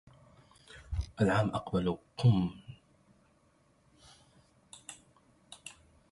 العام أقبل قم نحي هلالا